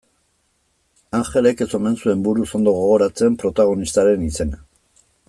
Anjelek ez omen zuen buruz ondo gogoratzen protagonistaren izena.